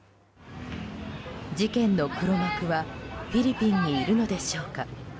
事件の黒幕はフィリピンにいるのでしょうか。